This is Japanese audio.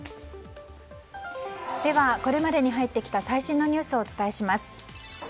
ではこれまでに入ってきた最新のニュースをお伝えします。